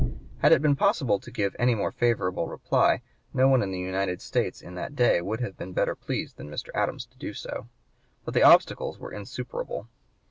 Had it been possible to give any more favorable reply no one in the United States in that day would have been better pleased than Mr. Adams to do so. But the obstacles were insuperable.